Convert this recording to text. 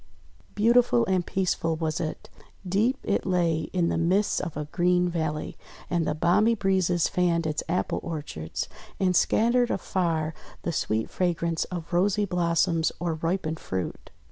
Beautiful and peaceful was it. Deep it lay in the midst of a green valley, and the balmy breezes fanned its apple orchards, and scattered afar the sweet fragrance of rosy blossoms or ripened fruit.